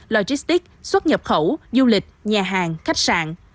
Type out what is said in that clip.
logistics xuất nhập khẩu du lịch nhà hàng khách sạn